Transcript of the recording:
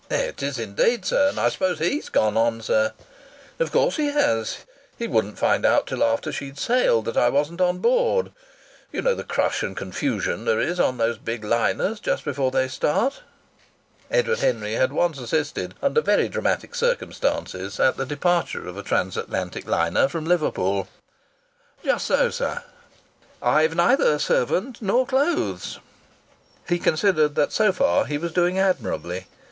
"It is indeed, sir. And I suppose he's gone on, sir?" "Of course he has! He wouldn't find out till after she sailed that I wasn't on board. You know the crush and confusion there is on those big liners just before they start." Edward Henry had once assisted, under very dramatic circumstances, at the departure of a Transatlantic liner from Liverpool. "Just so, sir!" "I've neither servant nor clothes!" He considered that so far he was doing admirably.